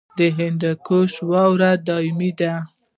د هندوکش واورې دایمي دي